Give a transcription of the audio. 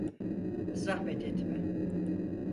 Zahmet etme.